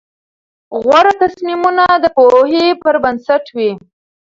غوره تصمیمونه د پوهې پر بنسټ وي.